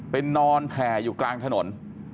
นอนแผ่อยู่กลางถนน